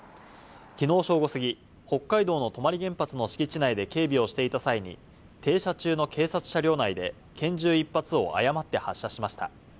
昨日正午すぎ、北海道の泊原発の敷地内で警備をしていた際に停車中の警察車両内で拳銃一発を誤って発射しました。